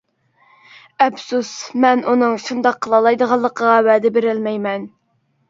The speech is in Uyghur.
ئەپسۇس، مەن ئۇنىڭ شۇنداق قىلالايدىغانلىقىغا ۋەدە بېرەلمەيمەن.